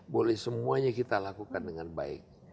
boleh semuanya kita lakukan dengan baik